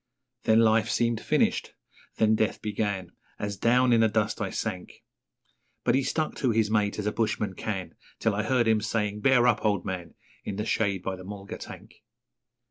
Then life seemed finished then death began As down in the dust I sank, But he stuck to his mate as a bushman can, Till I heard him saying, 'Bear up, old man!' In the shade by the mulga tank.